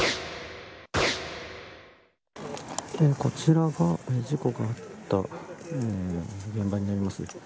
こちらが事故があった現場になります。